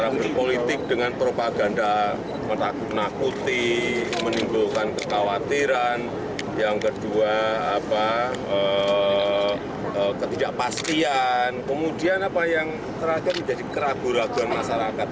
menakuti menimbulkan ketakutiran yang kedua ketidakpastian kemudian apa yang terakhir menjadi keraguan keraguan masyarakat